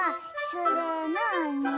それなあに？